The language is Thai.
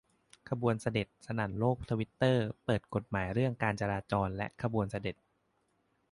ขบวนเสด็จ สนั่นโลกทวิตเตอร์ เปิดกฎหมายเรื่องการจราจรและขบวนเสด็จ